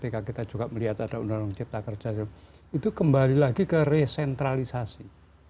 ketika kita juga melihat ada undang undang cipta kerja itu kembali lagi ke resentralisasi